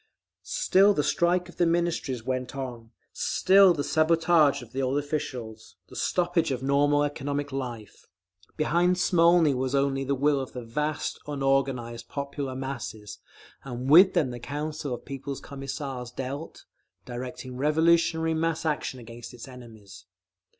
Still the strike of the Ministries went on, still the sabotage of the old officials, the stoppage of normal economic life. Behind Smolny was only the will of the vast, unorganised popular masses; and with them the Council of People's Commissars dealt, directing revolutionary mass action against its enemies.